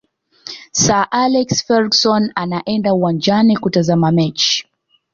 sir alex ferguson anaenda uwanjani kutazama mechi